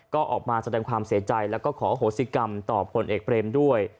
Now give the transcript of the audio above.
ก็ออกมาแสดงความเสียใจแล้วก็ขอโหสิกรรมต่อผลเอกเบรมด้วย